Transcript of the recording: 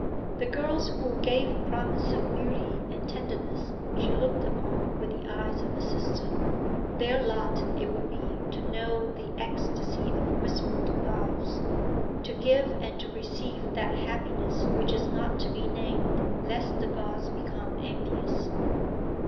The girls who gave promise of beauty and tenderness she looked upon with the eyes of a sister; their lot it would be to know the ecstasy of whispered vows, to give and to receive that happiness which is not to be named lest the gods become envious.